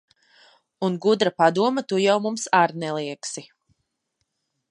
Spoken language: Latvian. Un gudra padoma tu jau mums ar neliegsi.